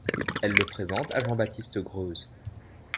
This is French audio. Elle le présente à Jean-Baptiste Greuze.